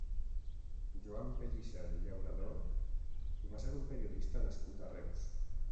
Joan Pellicer Llauradó va ser un periodista nascut a Reus.